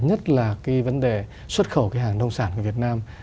nhất là vấn đề xuất khẩu hàng nông sản của việt nam